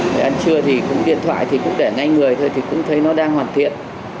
để ăn trưa thì điện thoại cũng để ngay người thôi thì cũng thấy nó đang hoàn thiện